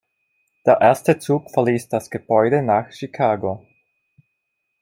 Der erste Zug verließ das Gebäude nach Chicago.